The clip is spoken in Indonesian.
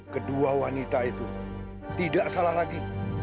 kedua wanita itu tidak salah lagi